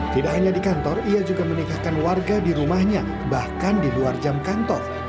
tidak hanya di kantor ia juga menikahkan warga di rumahnya bahkan di luar jam kantor